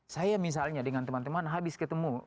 saya misalnya dengan teman teman habis ketemu